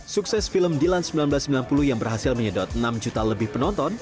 sukses film dilan seribu sembilan ratus sembilan puluh yang berhasil menyedot enam juta lebih penonton